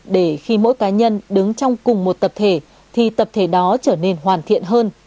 để khi mỗi cá nhân đứng trong cùng một tập thể thì tập thể đó trở nên hoàn thiện hơn